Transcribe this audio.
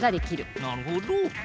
なるほど！